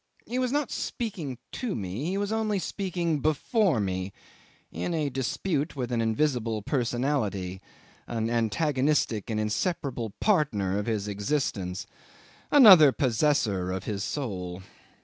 He was not speaking to me, he was only speaking before me, in a dispute with an invisible personality, an antagonistic and inseparable partner of his existence another possessor of his soul.